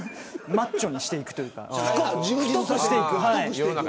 マッチョにしていくというか太くしていく。